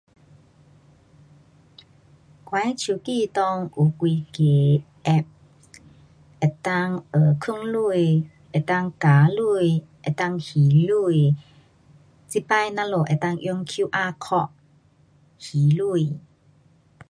我的手机内有几个 app 能够呃，藏钱，能够加钱，能够还钱。这次咱们能够用 QR code 还钱。